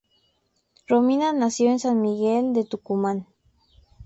Romina nació en San Miguel de Tucumán.